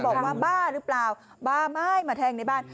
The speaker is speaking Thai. บอกว่าบ้าหรือเปล่าบ้าไม่มาแทงในบ้าน